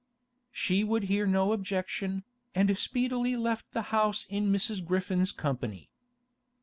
She would hear no objection, and speedily left the house in Mrs. Griffin's company.